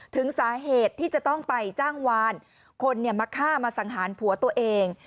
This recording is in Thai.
ถึงสาเหตุที่จะต้องไปจ้างวานคนมาฆ่ามาสังหารผัวตัวเอง